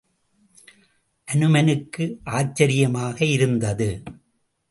அனுமனுக்கு ஆச்சிரியமாக இருந்தது.